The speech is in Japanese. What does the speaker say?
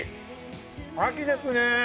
秋ですね。